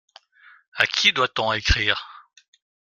À qui doit-on écrire ?